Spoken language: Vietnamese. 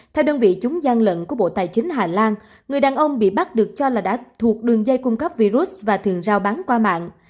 theo đơn vị chúng gian lận của bộ tài chính hà lan người đàn ông bị bắt được cho là đã thuộc đường dây cung cấp virus và thường giao bán qua mạng